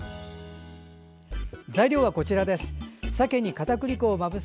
材料はこちらです。